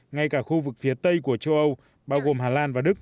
ngay cả khu vực phía tây của châu âu bao gồm hà lan và đức